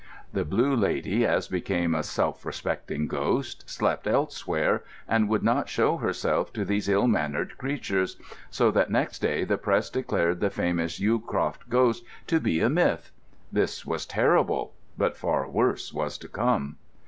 The Blue Lady, as became a self respecting ghost, slept elsewhere, and would not show herself to these ill mannered creatures; so that next day the Press declared the famous Yewcroft ghost to be a myth. This was terrible; but far worse was to come.